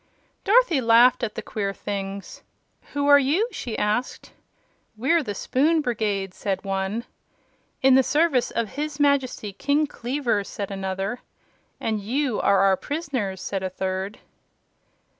Dorothy laughed at the queer things. "Who are you?" she asked. "We're the Spoon Brigade," said one. "In the service of his Majesty King Kleaver," said another. "And you are our prisoners," said a third.